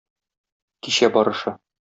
Кичә барышы.